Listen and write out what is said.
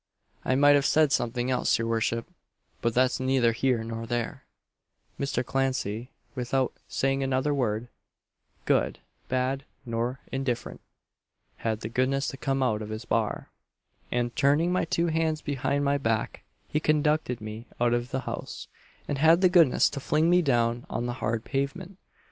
I might have said something else, your worship, but that's neither here nor there; Mr. Clancey, without saying another word, good, bad, nor indifferent, had the goodness to come out of his bar, and, turning my two hands behind my back, he conducted me out of the house, and had the goodness to fling me down on the hard pavement!